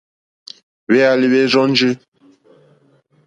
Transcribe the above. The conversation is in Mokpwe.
Hwéálí hwɛ́ rzɔ́njì.